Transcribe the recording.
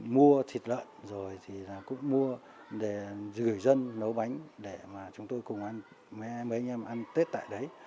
mua thịt lợn rồi thì là cũng mua để gửi dân nấu bánh để mà chúng tôi cùng ăn với mấy anh em ăn tết tại đấy